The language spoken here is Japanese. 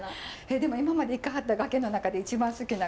でも今まで行かはった崖の中で一番好きな崖ってありますか？